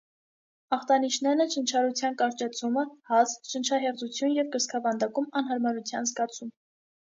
Ախտանիշներն են շնչառության կարճացում, հազ, շնչահեղձություն և կրծքավանդակում անհարմարության զգացում։